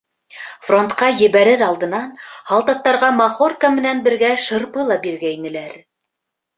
Фронтҡа ебәрер алдынан һалдаттарға махорка менән бергә шырпы ла биргәйнеләр.